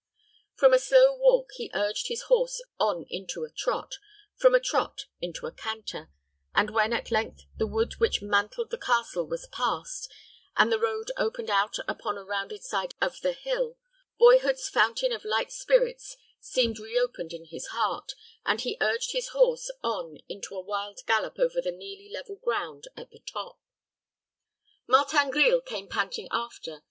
From a slow walk, he urged his horse on into a trot, from a trot into a canter, and when at length the wood which mantled the castle was passed, and the road opened out upon the rounded side of the hill, boyhood's fountain of light spirits seemed reopened in his heart, and he urged his horse on into a wild gallop over the nearly level ground at the top. Martin Grille came panting after.